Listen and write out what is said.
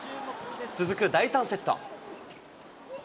続く第３セット。